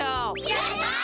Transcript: やった！